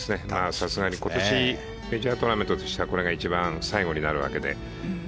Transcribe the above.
さすがに今年メジャートーナメントとしてはこれが一番最後になるわけで。